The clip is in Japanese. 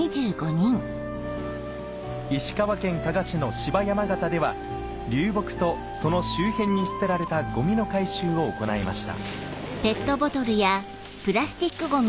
石川県加賀市の柴山潟では流木とその周辺に捨てられたゴミの回収を行いました